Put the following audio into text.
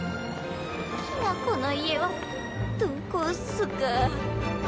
きな子の家はどこっすか。